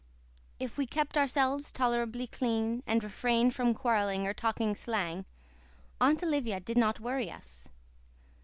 If we kept ourselves tolerably clean, and refrained from quarrelling or talking slang, Aunt Olivia did not worry us.